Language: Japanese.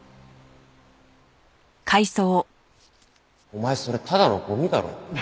お前それただのゴミだろ。